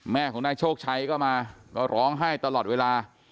แม่ของนายโชคชัยก็มาก็ร้องไห้ตลอดเวลา